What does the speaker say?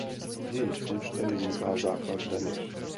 Jejich součtem vzniká základ daně.